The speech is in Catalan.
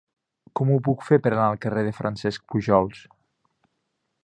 Com ho puc fer per anar al carrer de Francesc Pujols?